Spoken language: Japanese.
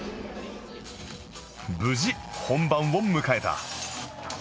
無事本番を迎えた